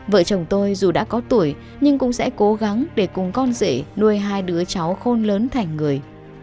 vợ chồng tôi dù đã có tuổi nhưng cũng sẽ cố gắng để cùng con rể nuôi hai đứa cháu khôn lớn thành người